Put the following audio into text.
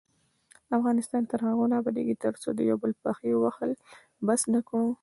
افغانستان تر هغو نه ابادیږي، ترڅو د یو بل پښې وهل بس نکړو.